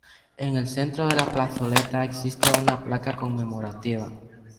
En el centro de la plazoleta existe una placa conmemorativa.